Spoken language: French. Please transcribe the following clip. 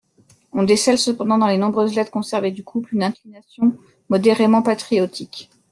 On décèle cependant dans les nombreuses lettres conservées du couple, une inclination modérément patriotique.